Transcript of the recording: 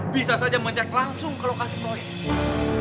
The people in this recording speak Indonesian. bisa saja mengecek langsung ke lokasi proyek